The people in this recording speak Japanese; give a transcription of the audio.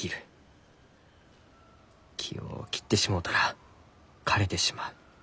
木を切ってしもうたら枯れてしまう。